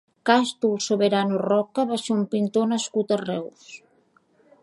Càstul Soberano Roca va ser un pintor nascut a Reus.